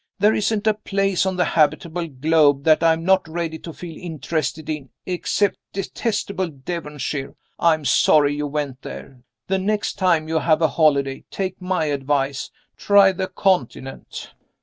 There isn't a place on the habitable globe that I am not ready to feel interested in, except detestable Devonshire. I am so sorry you went there. The next time you have a holiday, take my advice. Try the Continent."